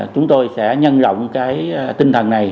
chúng tôi sẽ nhân rộng cái tinh thần này